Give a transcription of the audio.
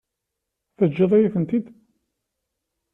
Teǧǧiḍ-iyi-ten-id?